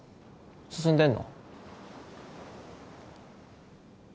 進んでんの？